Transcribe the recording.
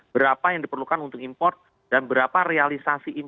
berapa yang diperlukan untuk import dan berapa realisasi impor